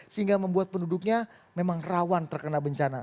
sehingga membuat penduduknya memang rawan terkena bencana